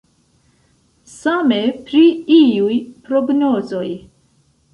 Same pri iuj prognozoj.